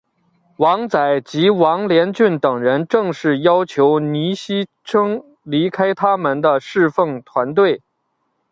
王载及王连俊等人正式要求倪柝声离开他们的事奉团队。